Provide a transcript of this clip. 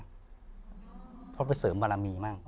เพราะไปเสริมบารมีมาก